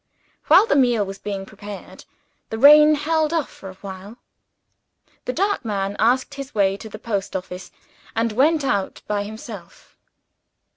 While the meal was being prepared, the rain held off for a while. The dark man asked his way to the post office and went out by himself.